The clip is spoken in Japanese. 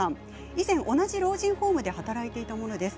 以前、同じ老人ホームで働いていたものです。